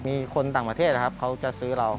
มีคนต่างประเทศนะครับเขาจะซื้อเรา